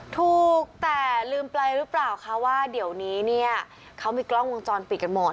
ถูกแต่ลืมไปหรือเปล่าคะว่าเดี๋ยวนี้เนี่ยเขามีกล้องวงจรปิดกันหมด